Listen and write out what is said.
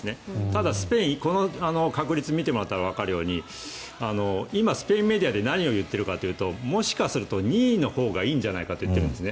ただ、スペインこの確率を見てもらったらわかるように今、スペインメディアで何を言っているかというともしかすると２位のほうがいいんじゃないかと言っているんです。